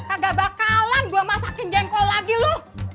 agak bakalan gua masakin jengkol lagi lu